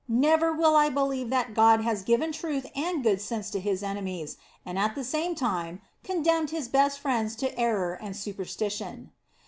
Never will I believe that God has given truth and good sense to His enemies, and at the same time condemned his best friends to error and superstition."